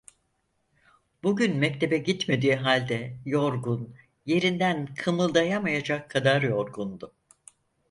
Bugün mektebe gitmediği halde yorgun, yerinden kımıldayamayacak kadar yorgundu.